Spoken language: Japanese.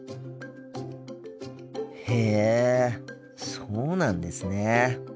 へえそうなんですね。